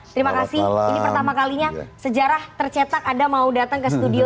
terima kasih ini pertama kalinya sejarah tercetak anda mau datang ke studio